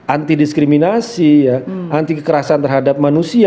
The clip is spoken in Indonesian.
anti diskriminasi anti kekerasan terhadap manusia